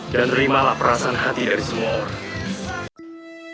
dan terimalah perasaan hati dari semua orang